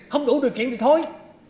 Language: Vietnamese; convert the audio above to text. không đủ điều kiện thì thôi